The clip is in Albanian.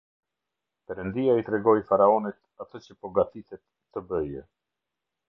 Perëndia i tregoi Faraonit atë që po gatitet të bëjë.